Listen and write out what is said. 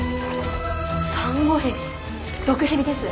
サンゴヘビ毒蛇です。